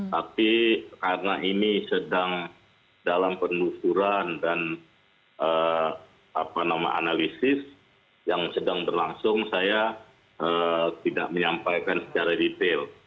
tapi karena ini sedang dalam penelusuran dan analisis yang sedang berlangsung saya tidak menyampaikan secara detail